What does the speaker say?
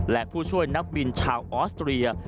และผู้ช่วยนักบินชาวออสเตรีย